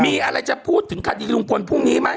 มีอะไรจะพูดถึงคดีลุงพลพรุ่งนี้ไหม